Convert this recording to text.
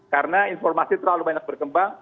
karena informasi terlalu banyak berkembang